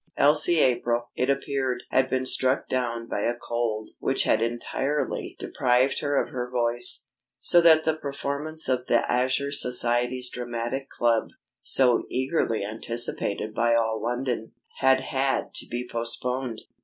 Elsie April, it appeared, had been struck down by a cold which had entirely deprived her of her voice, so that the performance of the Azure Society's Dramatic Club, so eagerly anticipated by all London, had had to be postponed.